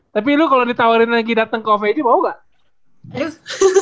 tapi lu kalau ditawarin lagi dateng ke ovj mau gak